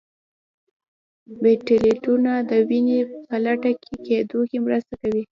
پلیټلیټونه د وینې په لخته کیدو کې مرسته کوي